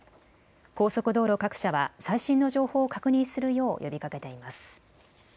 高速道路各社は最新の情報を確認するよう呼びかけています。